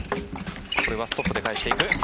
これはストップで返していく。